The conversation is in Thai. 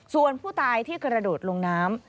ส่วนผู้ตายที่กระโดดลงน้ำ